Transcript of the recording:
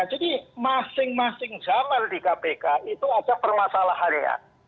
jadi masing masing zaman di kpk itu ada permasalahannya